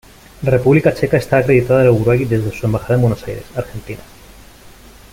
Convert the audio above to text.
La República Checa está acreditado a Uruguay desde su embajada en Buenos Aires, Argentina.